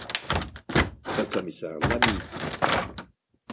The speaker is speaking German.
Herr Kommissar Lamy!